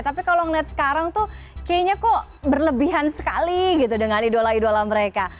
tapi kalau ngeliat sekarang tuh kayaknya kok berlebihan sekali gitu dengan idola idola mereka